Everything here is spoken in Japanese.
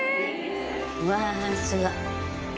うわすごい。